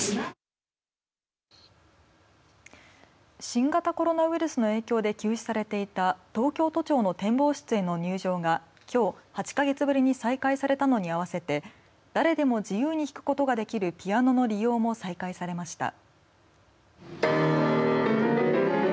新型コロナウイルスの影響で休止されていた東京都庁の展望室への入場がきょう８か月ぶりに再開されたのに合わせて誰でも自由に弾くことができるピアノの利用も再開されました。